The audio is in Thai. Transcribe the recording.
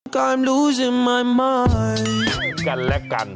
กันและกัน